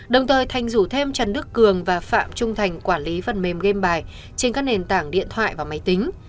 đồng thời thành rủ thêm trần đức cường và phạm trung thành quản lý phần mềm game bài trên các nền tảng điện thoại và máy tính